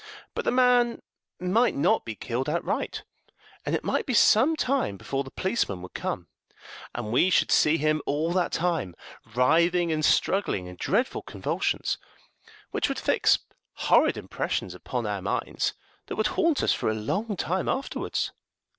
But the man might not be killed outright, and it might be some time before the policemen would come, and we should see him all that time writhing and struggling in dreadful convulsions, which would fix horrid impressions upon our minds, that would haunt us for a long time afterwards."